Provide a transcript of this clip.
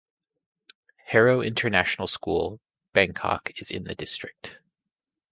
Harrow International School, Bangkok is in the district.